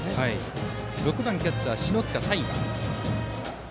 打席には６番キャッチャー、篠塚大雅。